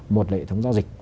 một là hệ thống giao dịch